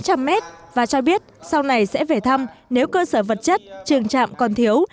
điều này là tám trăm linh mét và cho biết sau này sẽ về thăm nếu cơ sở vật chất trường trạm còn thiếu